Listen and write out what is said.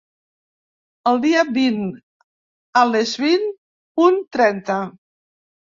El dia vint a les vint punt trenta.